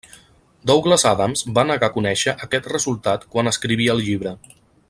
Douglas Adams va negar conèixer aquest resultat quan escrivia el llibre.